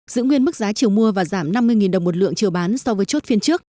giữ nguyên mức giá chiều mua và giảm năm mươi đồng một lượng chiều bán so với chốt phiên trước